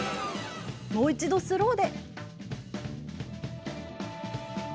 もう一度スローで。